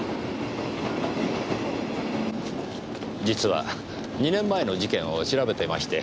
実は２年前の事件を調べてまして。